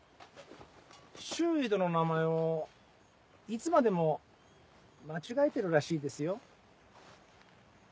周瑜殿の名前をいつまでも間違えてるらしいですよ。